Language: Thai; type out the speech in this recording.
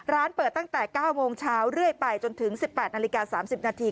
ร้านเปิดตั้งแต่๙โมงเช้าเรื่อยไปจนถึง๑๘นาฬิกา๓๐นาที